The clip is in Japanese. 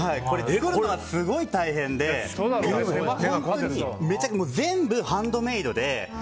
作るのがすごく大変でめちゃくちゃ全部ハンドメイドで。